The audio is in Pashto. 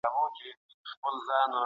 آیا ته د ليکوال له نظره خبر يې؟